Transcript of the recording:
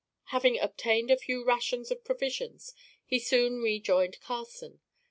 Having obtained a few rations of provisions, he soon rejoined Carson.